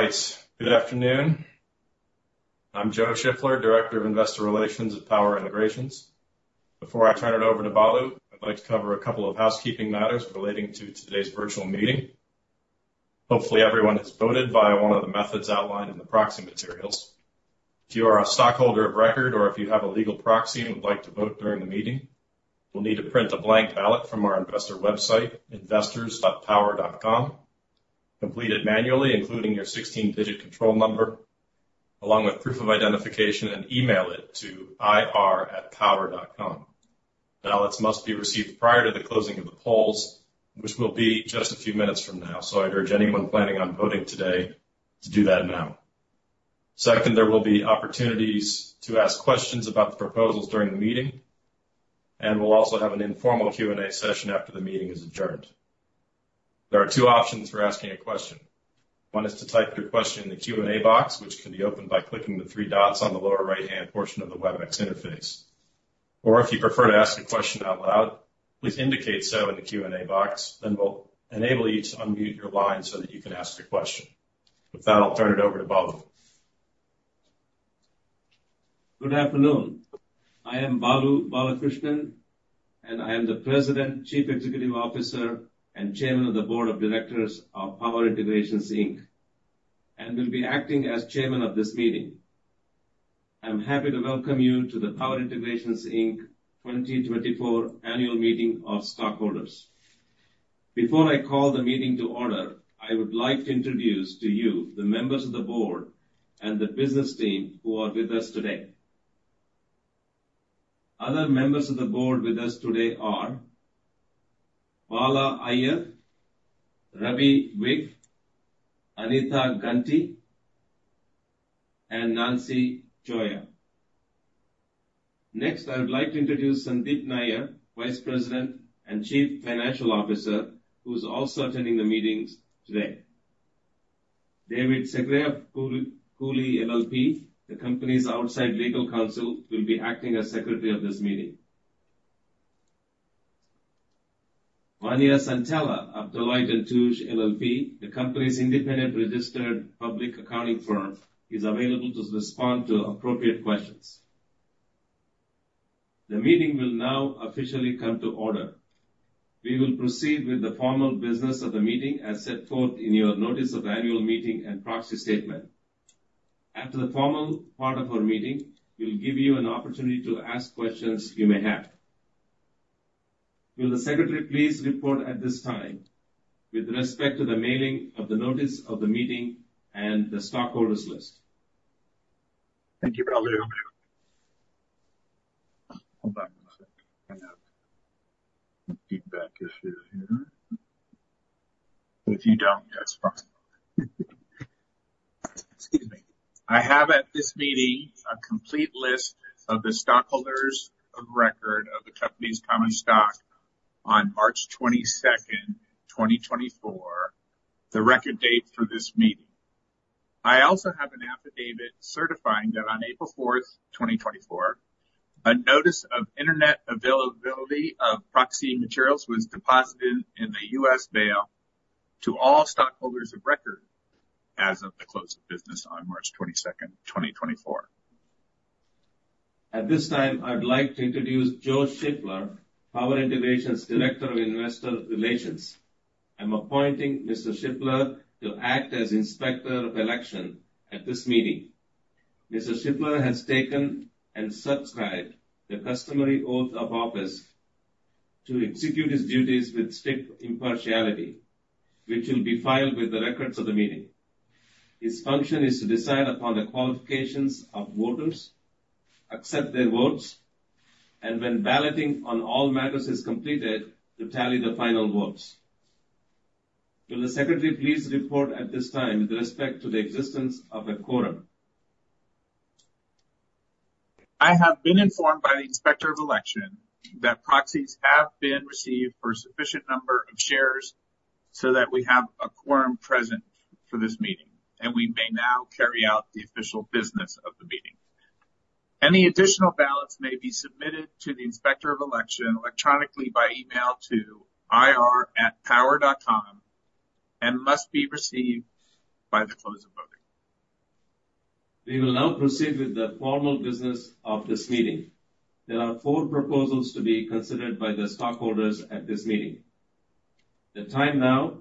All right. Good afternoon. I'm Joe Shiffler, Director of Investor Relations at Power Integrations. Before I turn it over to Balu, I'd like to cover a couple of housekeeping matters relating to today's virtual meeting. Hopefully, everyone has voted via one of the methods outlined in the proxy materials. If you are a stockholder of record, or if you have a legal proxy and would like to vote during the meeting, you'll need to print a blank ballot from our investor website, investors.power.com. Complete it manually, including your 16-digit control number, along with proof of identification, and email it to ir@power.com. Ballots must be received prior to the closing of the polls, which will be just a few minutes from now, so I'd urge anyone planning on voting today to do that now. Second, there will be opportunities to ask questions about the proposals during the meeting, and we'll also have an informal Q&A session after the meeting is adjourned. There are two options for asking a question. One is to type your question in the Q&A box, which can be opened by clicking the three dots on the lower right-hand portion of the Webex interface. Or if you prefer to ask a question out loud, please indicate so in the Q&A box, then we'll enable you to unmute your line so that you can ask a question. With that, I'll turn it over to Balu. Good afternoon. I am Balu Balakrishnan, and I am the President, Chief Executive Officer, and Chairman of the Board of Directors of Power Integrations, Inc., and will be acting as chairman of this meeting. I'm happy to welcome you to the Power Integrations, Inc. 2024 Annual Meeting of Stockholders. Before I call the meeting to order, I would like to introduce to you the members of the board and the business team who are with us today. Other members of the board with us today are Bala Iyer, Ravi Vig, Anita Ganti, and Nancy Gioia. Next, I would like to introduce Sandeep Nair, Vice President and Chief Financial Officer, who is also attending the meetings today. David Segre of Cooley LLP, the company's outside legal counsel, will be acting as Secretary of this meeting. Vania Santella of Deloitte & Touche, LLP, the company's independent registered public accounting firm, is available to respond to appropriate questions. The meeting will now officially come to order. We will proceed with the formal business of the meeting as set forth in your notice of annual meeting and proxy statement. After the formal part of our meeting, we'll give you an opportunity to ask questions you may have. Will the secretary please report at this time with respect to the mailing of the notice of the meeting and the stockholders list? Thank you, Balu. Hold on one second. I have a feedback issue here. If you don't, that's fine. Excuse me. I have at this meeting a complete list of the stockholders of record of the company's common stock on March 22nd, 2024, the record date for this meeting. I also have an affidavit certifying that on April 4th, 2024, a notice of internet availability of proxy materials was deposited in the U.S. Mail to all stockholders of record as of the close of business on March 22, 2024. At this time, I'd like to introduce Joe Shiffler, Power Integrations Director of Investor Relations. I'm appointing Mr. Shiffler to act as Inspector of Election at this meeting. Mr. Shiffler has taken and subscribed the customary oath of office to execute his duties with strict impartiality, which will be filed with the records of the meeting. His function is to decide upon the qualifications of voters, accept their votes, and when balloting on all matters is completed, to tally the final votes. Will the secretary please report at this time with respect to the existence of a quorum? I have been informed by the Inspector of Election that proxies have been received for a sufficient number of shares so that we have a quorum present for this meeting, and we may now carry out the official business of the meeting. Any additional ballots may be submitted to the Inspector of Election electronically by email to ir@power.com, and must be received by the close of voting. We will now proceed with the formal business of this meeting. There are four proposals to be considered by the stockholders at this meeting. The time now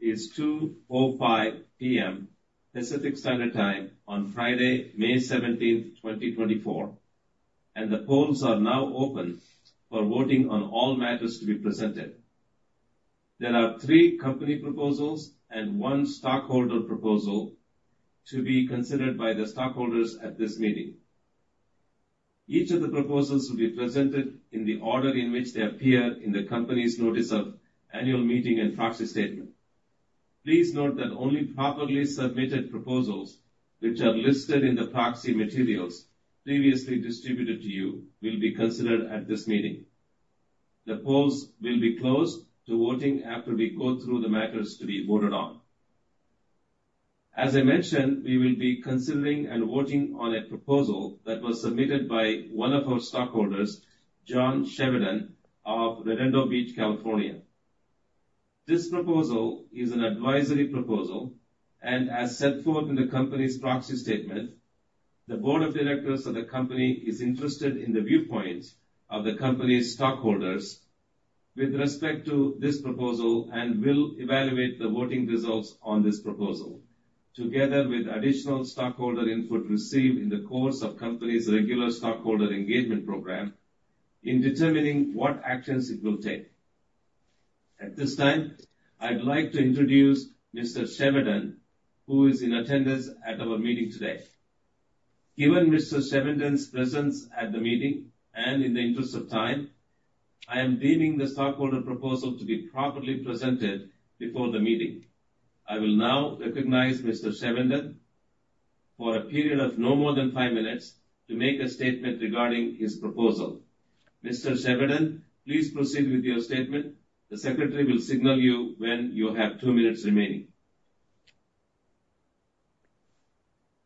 is 2:05 P.M., Pacific Standard Time, on Friday, May 17th, 2024, and the polls are now open for voting on all matters to be presented. There are three company proposals and one stockholder proposal to be considered by the stockholders at this meeting. Each of the proposals will be presented in the order in which they appear in the company's notice of annual meeting and proxy statement. Please note that only properly submitted proposals, which are listed in the proxy materials previously distributed to you, will be considered at this meeting. The polls will be closed to voting after we go through the matters to be voted on. As I mentioned, we will be considering and voting on a proposal that was submitted by one of our stockholders, John Chevedden, of Redondo Beach, California. This proposal is an advisory proposal, and as set forth in the company's proxy statement, the board of directors of the company is interested in the viewpoints of the company's stockholders with respect to this proposal and will evaluate the voting results on this proposal, together with additional stockholder input received in the course of company's regular stockholder engagement program, in determining what actions it will take. At this time, I'd like to introduce Mr. Chevedden, who is in attendance at our meeting today. Given Mr. Chevedden's presence at the meeting, and in the interest of time, I am deeming the stockholder proposal to be properly presented before the meeting. I will now recognize Mr. Chevedden for a period of no more than five minutes to make a statement regarding his proposal. Mr. Chevedden, please proceed with your statement. The secretary will signal you when you have two minutes remaining.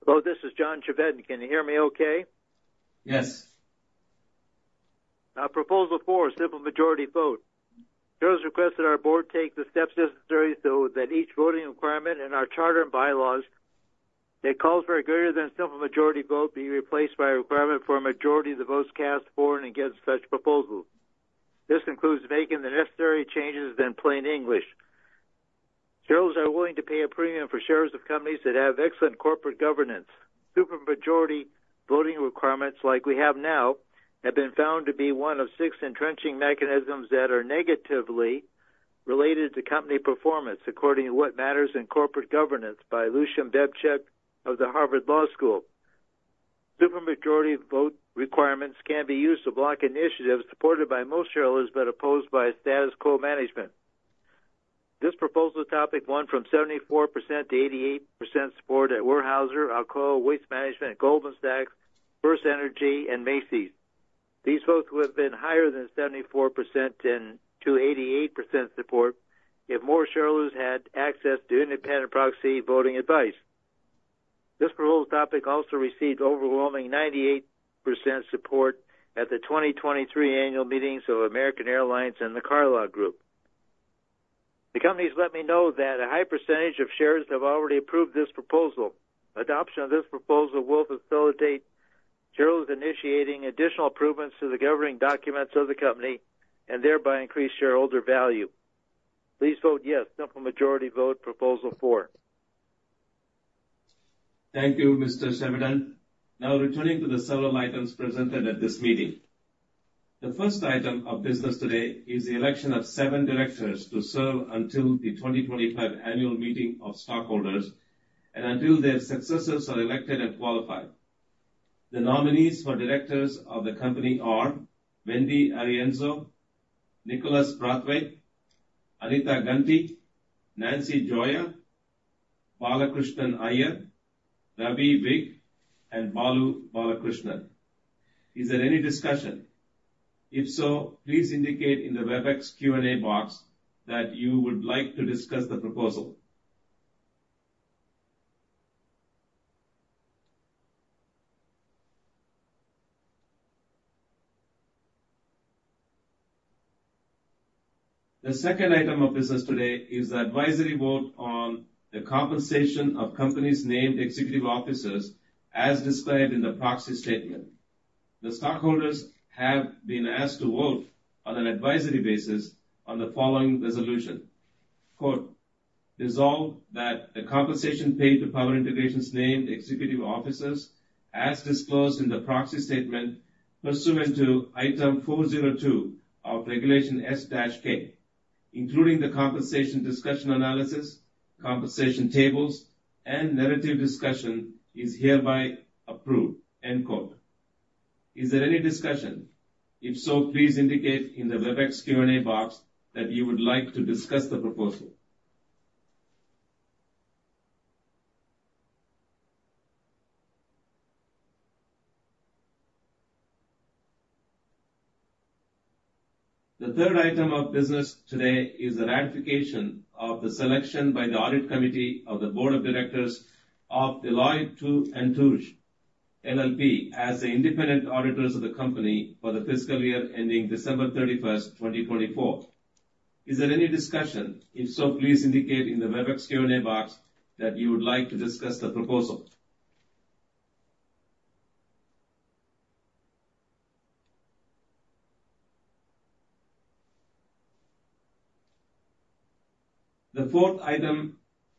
Hello, this is John Chevedden. Can you hear me okay? Yes. Now, Proposal Four, Simple Majority Vote. Shareholders request that our board take the steps necessary so that each voting requirement in our charter and bylaws that calls for a greater than simple majority vote be replaced by a requirement for a majority of the votes cast for and against such proposal. This includes making the necessary changes in plain English. Shareholders are willing to pay a premium for shares of companies that have excellent corporate governance. Supermajority voting requirements, like we have now, have been found to be one of six entrenching mechanisms that are negatively related to company performance, according to What Matters in Corporate Governance by Lucian Bebchuk of the Harvard Law School. Supermajority vote requirements can be used to block initiatives supported by most shareholders, but opposed by status quo management. This proposal topic won 74%-88% support at Weyerhaeuser, Alcoa, Waste Management, Goldman Sachs, FirstEnergy, and Macy's. These votes would have been higher than 74% and to 88% support if more shareholders had access to independent proxy voting advice. This proposal topic also received overwhelming 98% support at the 2023 Annual Meetings of American Airlines and The Carlyle Group. The companies let me know that a high percentage of shares have already approved this proposal. Adoption of this proposal will facilitate shareholders initiating additional improvements to the governing documents of the company and thereby increase shareholder value. Please vote yes, Simple Majority Vote, Proposal Four. Thank you, Mr. Chevedden. Now returning to the several items presented at this meeting. The first item of business today is the election of seven directors to serve until the 2025 annual meeting of stockholders and until their successors are elected and qualified. The nominees for directors of the company are Wendy Arienzo, Nicholas Brathwaite, Anita Ganti, Nancy Gioia, Balakrishnan Iyer, Ravi Vig, and Balu Balakrishnan. Is there any discussion? If so, please indicate in the Webex Q&A box that you would like to discuss the proposal. The second item of business today is the advisory vote on the compensation of company's named executive officers, as described in the proxy statement. The stockholders have been asked to vote on an advisory basis on the following resolution, quote, "Resolved that the compensation paid to Power Integrations' named executive officers, as disclosed in the proxy statement pursuant to Item 402 of Regulation S-K, including the compensation discussion analysis, compensation tables, and narrative discussion, is hereby approved," end quote. Is there any discussion? If so, please indicate in the Webex Q&A box that you would like to discuss the proposal. The third item of business today is the ratification of the selection by the Audit Committee of the Board of Directors of Deloitte Touche Tohmatsu, LLP, as the independent auditors of the company for the fiscal year ending December 31st, 2024. Is there any discussion? If so, please indicate in the Webex Q&A box that you would like to discuss the proposal. The fourth item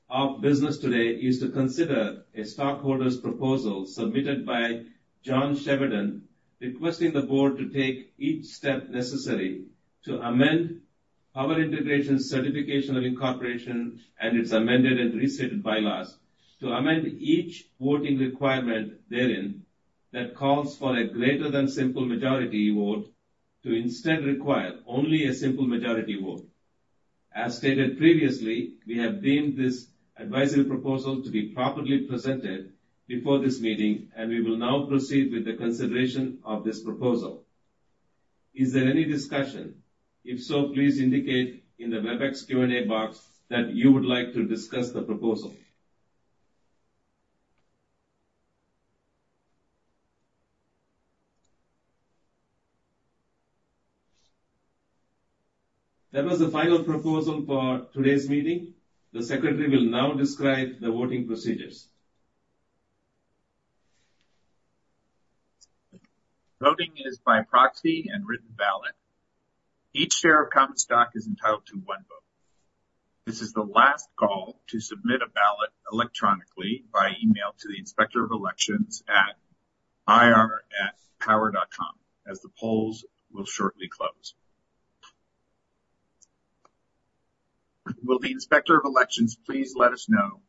of business today is to consider a stockholder's proposal submitted by John Chevedden, requesting the board to take each step necessary to amend Power Integrations's certification of incorporation and its amended and restated bylaws, to amend each voting requirement therein that calls for a greater than simple majority vote, to instead require only a simple majority vote. As stated previously, we have deemed this advisory proposal to be properly presented before this meeting, and we will now proceed with the consideration of this proposal. Is there any discussion? If so, please indicate in the Webex Q&A box that you would like to discuss the proposal.... That was the final proposal for today's meeting. The secretary will now describe the voting procedures. Voting is by proxy and written ballot. Each share of common stock is entitled to one vote. This is the last call to submit a ballot electronically by email to the Inspector of Elections at ir@power.com, as the polls will shortly close. Will the Inspector of Elections please let us know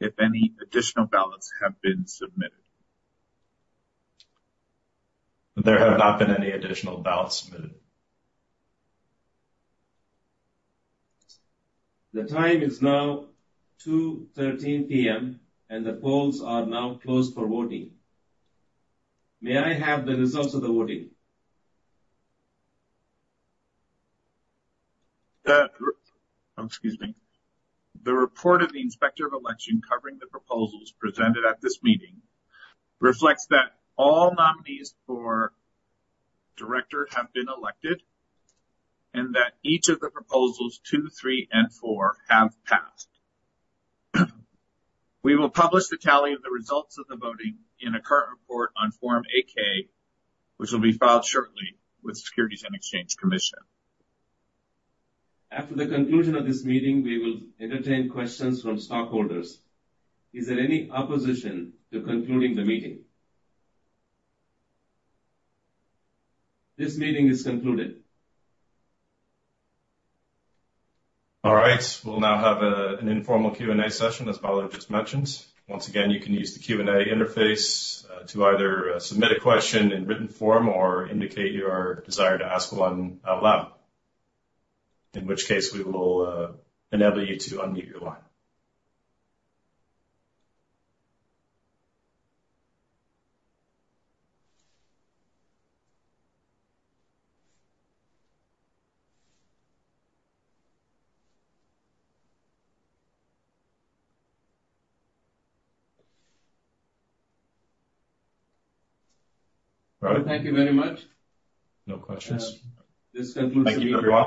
if any additional ballots have been submitted? There have not been any additional ballots submitted. The time is now 2:13 P.M., and the polls are now closed for voting. May I have the results of the voting? Oh, excuse me. The report of the Inspector of Election covering the proposals presented at this meeting reflects that all nominees for director have been elected, and that each of the proposals two, three, and four have passed. We will publish the tally of the results of the voting in a current report on Form 8-K, which will be filed shortly with the Securities and Exchange Commission. After the conclusion of this meeting, we will entertain questions from stockholders. Is there any opposition to concluding the meeting? This meeting is concluded. All right, we'll now have an informal Q&A session, as Balu just mentioned. Once again, you can use the Q&A interface to either submit a question in written form or indicate your desire to ask one out loud. In which case, we will enable you to unmute your line. Robert? Thank you very much. No questions. This concludes- Thank you, everyone.